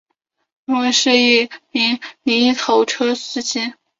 葛民辉的父亲为一名泥头车司机。